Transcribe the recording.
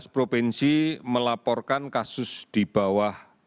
tujuh belas provinsi melaporkan kasus di bawah